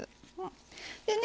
でね